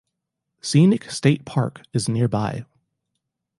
Scenic State Park is nearby.